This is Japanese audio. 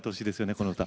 この歌。